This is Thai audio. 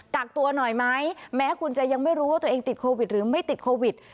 กักตัวหน่อยไหมแม้คุณจะยังไม่รู้ว่าตัวเองติดโควิดหรือไม่ติดโควิด